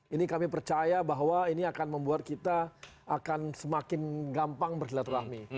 ini kami percaya bahwa ini akan membuat kita akan semakin gampang bersilaturahmi